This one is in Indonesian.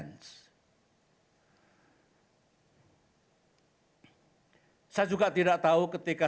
nah kita itu